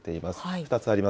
２つあります。